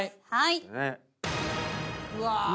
うわ！